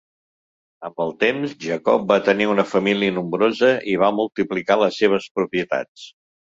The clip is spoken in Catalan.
Amb el temps, Jacob va tenir una família nombrosa i va multiplicar les seves propietats.